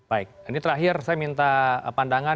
baik ini terakhir saya minta pandangan